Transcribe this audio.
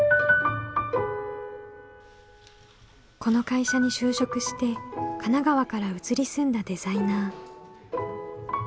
この会社に就職して神奈川から移り住んだデザイナー。